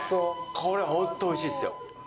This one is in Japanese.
これ、本当おいしいですよ。